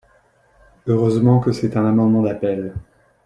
Heureusement que c’est un amendement d’appel